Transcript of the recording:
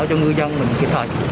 cho người dân mình kịp thời